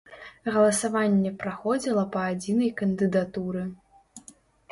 Галасаванне праходзіла па адзінай кандыдатуры.